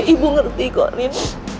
ibu ngerti korin